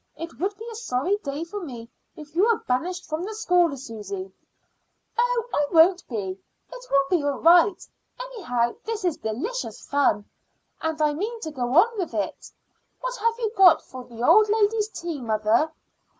It would be a sorry day for me if you were banished from the school, Susy." "Oh, I won't be. It will be all right. Anyhow, this is delicious fun, and I mean to go on with it. What have you got for the old lady's tea, mother?"